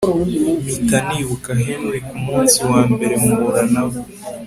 mpita nibuka Henry Ku munsi wa mbere mpura nawe